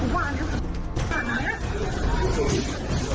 อุวานครับ